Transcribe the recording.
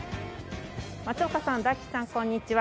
松岡さん大吉さんこんにちは。